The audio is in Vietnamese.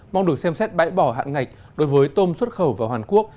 mong được xem xét bãi bỏ hạn ngạch đối với tôm xuất khẩu vào hàn quốc